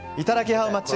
ハウマッチ。